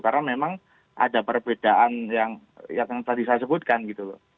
karena memang ada perbedaan yang tadi saya sebutkan gitu loh